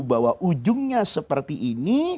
bahwa ujungnya seperti ini